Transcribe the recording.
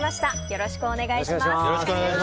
よろしくお願いします。